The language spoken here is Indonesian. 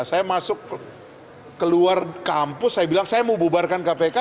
saya masuk keluar kampus saya bilang saya mau bubarkan kpk